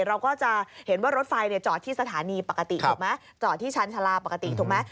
เราก็จะเห็นว่ารถไฟจอดที่สถานีปกติถูกไหมจอดที่ชาญชาลาปกติถูกไหม